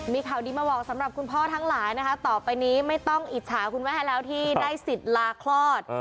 มีข่าวดีมาบอกสำหรับคุณพ่อทั้งหลายนะคะต่อไปนี้ไม่ต้องอิจฉาคุณแม่แล้วที่ได้สิทธิ์ลาคลอด